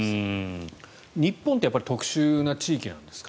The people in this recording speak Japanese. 日本ってやっぱり特殊な地域なんですか？